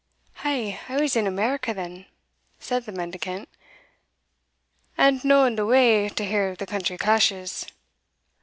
"Ay, I was in America then," said the mendicant, "and no in the way to hear the country clashes."